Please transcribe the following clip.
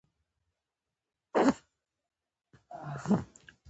یوڅوک به ووله انتظاره لکه سره سکروټه